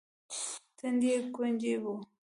تندی يې ګونجې و.